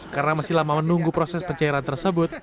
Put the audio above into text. karena masih lama menunggu proses pencairan tersebut